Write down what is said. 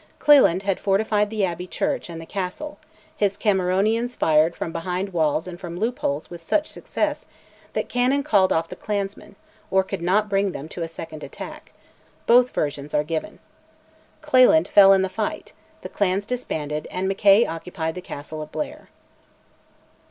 Cleland had fortified the Abbey church and the "castle," and his Cameronians fired from behind walls and from loopholes with such success that Cannon called off the clansmen, or could not bring them to a second attack: both versions are given. Cleland fell in the fight; the clans disbanded, and Mackay occupied the castle of Blair.